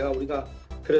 jadi saya berkata